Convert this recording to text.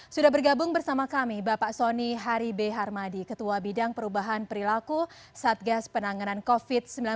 sudah bergabung bersama kami bapak soni hari b harmadi ketua bidang perubahan perilaku satgas penanganan covid sembilan belas